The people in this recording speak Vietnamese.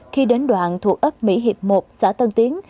khi đến đoạn thuộc ấp mỹ hiệp một xã tân tiến